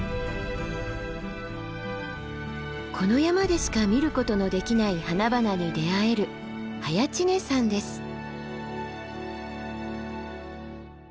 この山でしか見ることのできない花々に出会える早池峰山です。